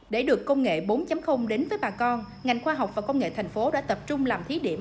để được công nghệ bốn đến với bà con ngành khoa học và công nghệ thành phố đã tập trung làm thí điểm